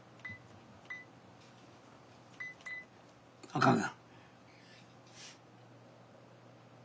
あかんな。